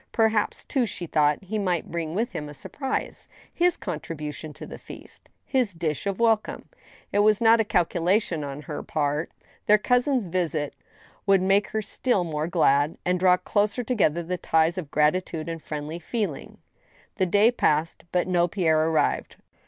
Perhaps, too, she thought, he might bring with him a surprise, his contribution to the feast — ^his dish of welcome. It was not cal culation on her part, their cousin's visit would make her still more glad, and draw closer together the ties of gratitude and friendly feeling. / The day passed, but no Pierre arrived.